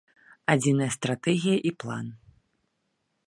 Адзіная стратэгія і план.